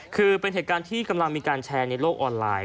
คือเป็นเหตุการณ์ที่กำลังมีการแชร์ในโลกออนไลน์